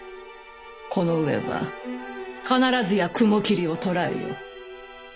この上は必ずや雲霧を捕らえよ。